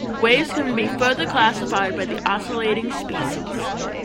Waves can be further classified by the oscillating species.